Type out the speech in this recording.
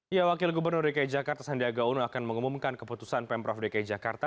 ya wakil gubernur dki jakarta sandiaga uno akan mengumumkan keputusan pemprov dki jakarta